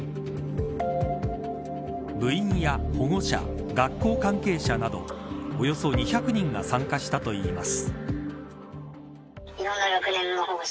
部員や保護者、学校関係者などおよそ２００人が参加したといいます。